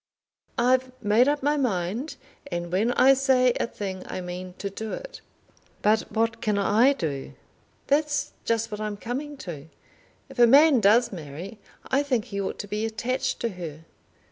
"I've made up my mind; and when I say a thing I mean to do it." "But what can I do?" "That's just what I'm coming to. If a man does marry I think he ought to be attached to her."